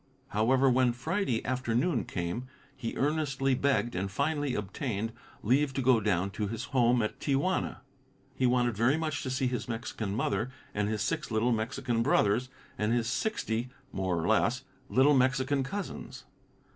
However, when Friday afternoon came, he earnestly begged, and finally obtained, leave to go down to his home at Tia Juana. He wanted very much to see his Mexican mother and his six little Mexican brothers, and his sixty, more or less, little Mexican cousins.